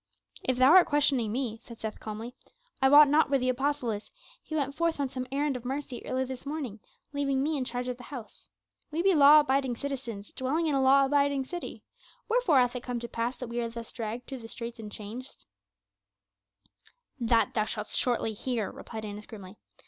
"If thou art questioning me," said Seth calmly, "I wot not where the apostle is; he went forth on some errand of mercy early this morning, leaving me in charge of the house. We be law abiding citizens, dwelling in a law abiding city, wherefore hath it come to pass that we are thus dragged through the streets in chains?" "That shalt thou shortly hear," replied Annas grimly.